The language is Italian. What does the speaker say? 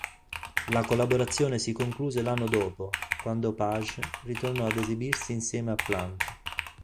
La collaborazione si concluse l'anno dopo quando Page ritornò ad esibirsi insieme a Plant.